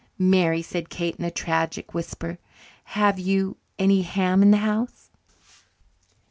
"Mary," said Kate in a tragic whisper, "have you any ham in the house?"